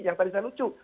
yang tadi saya lucu